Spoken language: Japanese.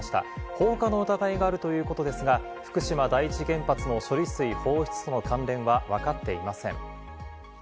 放火の疑いがあるということですが、福島第一原発の処理水放出との関連はわかっていません。